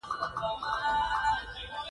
هغه د خوراک يا غذائيت پۀ الف ب هم نۀ دي خبر